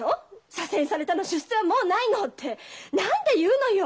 左遷されたの出世はもうないのって何で言うのよ！